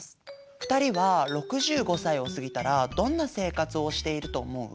２人は６５歳を過ぎたらどんな生活をしていると思う？